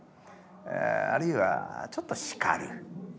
あるいはちょっと叱る。